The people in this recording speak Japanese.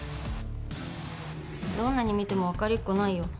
どんなに見ても分かりっこないよ